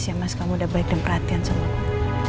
terima kasih mas kamu udah baik dan perhatian sama aku